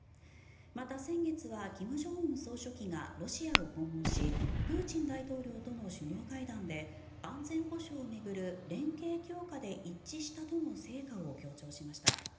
また、先月は金正恩総書記がロシアを訪問しプーチン大統領との首脳会談で安全保障を巡る連携強化で一致したとの成果を強調しました。